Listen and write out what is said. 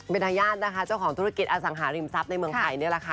เป็นทายาทนะคะเจ้าของธุรกิจอสังหาริมทรัพย์ในเมืองไทยนี่แหละค่ะ